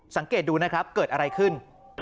สังเกตดูนะครับเกิดอะไรขึ้น